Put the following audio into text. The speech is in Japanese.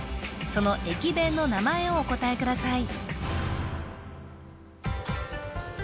その駅弁の名前をお答えください